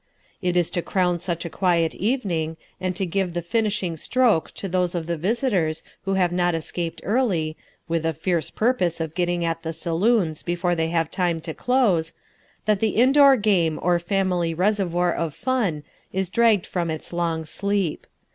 It is to crown such a quiet evening, and to give the finishing stroke to those of the visitors who have not escaped early, with a fierce purpose of getting at the saloons before they have time to close, that the indoor game or family reservoir of fun is dragged from its long sleep.